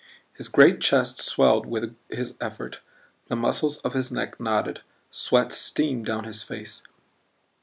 His great chest swelled with his effort, the muscles of his neck knotted, sweat steamed down his face.